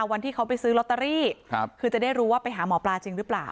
วันที่เขาไปซื้อลอตเตอรี่คือจะได้รู้ว่าไปหาหมอปลาจริงหรือเปล่า